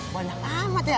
banyak amat ya